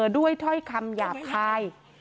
ด้วยถ้อยคำหยาบคาย